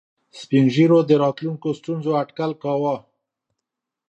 سپین ږیرو د راتلونکو ستونزو اټکل کاوه.